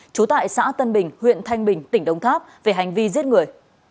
trú tại xã tân bình huyện thanh bình tỉnh đồng tháp về hành vi giết người